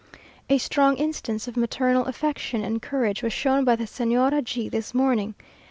A strong instance of maternal affection and courage was shown by the Señora G this morning.